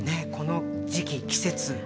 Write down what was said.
この時期、季節。